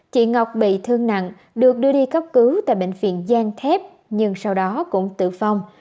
chị ngọc bị thương nặng được đưa đi cấp cứu tại bệnh viện giang thép nhưng sau đó cũng tử vong